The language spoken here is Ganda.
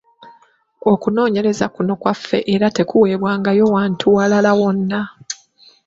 Okunoonyereza kuno kwaffe era tekuweebwangayo wantu walala wonna.